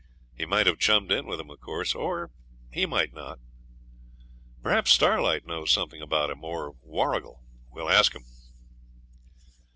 He might have chummed in with them, of course, or he might not. Perhaps Starlight knows something about him, or Warrigal. We'll ask them.'